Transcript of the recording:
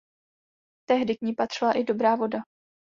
Tehdy k ní patřila i Dobrá Voda.